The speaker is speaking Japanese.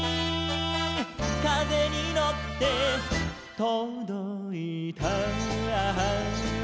「かぜにのってとどいた」